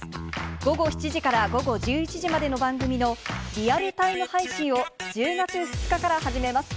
午後７時から午後１１時までの番組のリアルタイム配信を１０月２日から始めます。